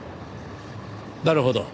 なるほど。